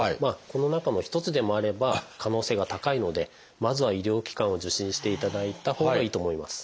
この中の一つでもあれば可能性が高いのでまずは医療機関を受診していただいたほうがいいと思います。